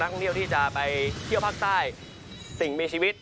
ทางไทยที่สาดน้ำเขาก็ช่วยเป็นอย่างต่อ